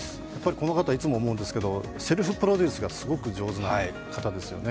この方、いつも思うんですけどセルフプロデュースがすごく上手な方ですよね。